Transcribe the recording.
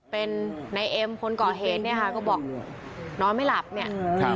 เป็นนายเอ็มคนก่อเหตุเนี่ยค่ะก็บอกนอนไม่หลับเนี่ยครับ